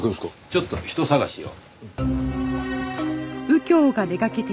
ちょっと人捜しを。